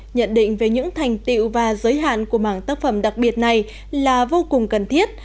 nhận định về những thành tiệu và giới hạn của mảng tác phẩm đặc biệt này là vô cùng cần thiết